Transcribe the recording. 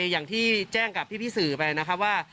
อย่างที่แจ้งกับพี่สื่อไปนะครับว่า